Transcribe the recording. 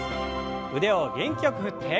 腕を元気よく振って。